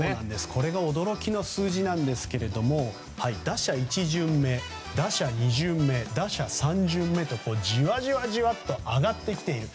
これが驚きの数字なんですが打者１巡目打者２巡目、打者３巡目とじわじわと上がってきている。